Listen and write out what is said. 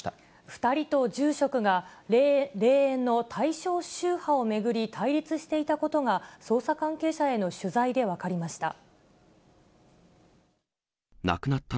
２人と住職が霊園の対象宗派を巡り対立していたことが、捜査関係者への取材で分かりました。